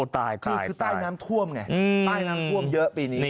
คือใต้น้ำท่วมไงใต้น้ำท่วมเยอะปีนี้